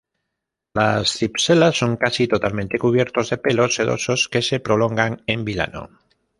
Las cipselas son casi totalmente cubiertos de pelos sedosos que se prolongan en vilano.